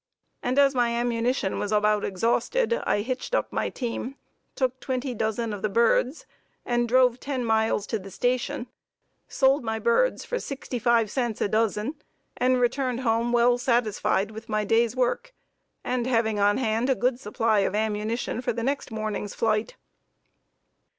And as my ammunition was about exhausted, I hitched up my team, took twenty dozen of the birds and drove ten miles to the station, sold my birds for sixty five cents a dozen and returned home well satisfied with my day's work, and having on hand a good supply of ammunition for the next morning's flight.